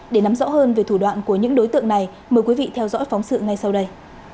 để nắm rõ hơn về thủ đoạn của những đối tượng này mời quý vị theo dõi phóng sự ngay sau đây